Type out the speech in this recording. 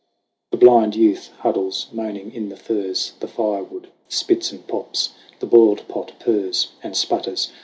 The blind youth huddles moaning in the furs. The firewood spits and pops, the boiled pot purrs And sputters.